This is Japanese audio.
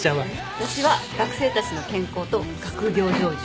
私は学生たちの健康と学業成就。